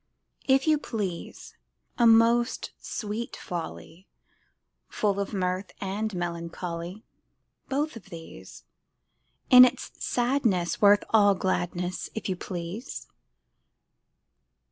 If you please, A most sweet folly! Full of mirth and melancholy: Both of these! In its sadness worth all gladness, If you please!